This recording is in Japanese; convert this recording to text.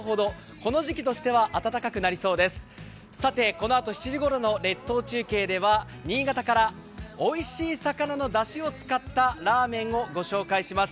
このあと７時ごろの列島中継では新潟からおいしい魚のだしを使ったラーメンをご紹介します。